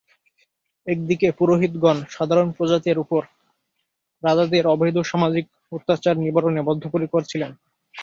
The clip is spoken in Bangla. একদিকে পুরোহিতগণ সাধারণ প্রজাদের উপর রাজাদের অবৈধ সামাজিক অত্যাচার নিবারণে বদ্ধপরিকর ছিলেন।